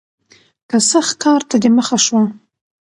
که سخت کار ته دې مخه شوه